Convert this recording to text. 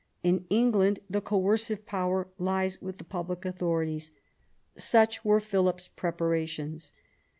In England the coercive power lies with the public authorities. Such were Philip's preparations.